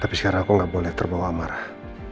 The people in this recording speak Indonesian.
tapi sekarang aku nggak boleh terbawa marah